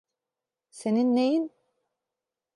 Senin neyin?